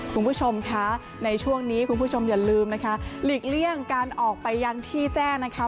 คุณผู้ชมคะในช่วงนี้คุณผู้ชมอย่าลืมนะคะหลีกเลี่ยงการออกไปยังที่แจ้งนะคะ